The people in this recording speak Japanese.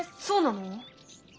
そうなの？